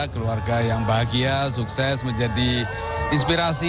keluarga yang bahagia sukses menjadi inspirasi